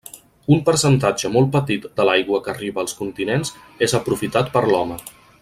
Un percentatge molt petit de l'aigua que arriba als continents és aprofitat per l'home.